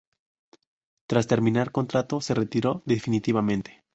Tras terminar contrato, se retiró definitivamente.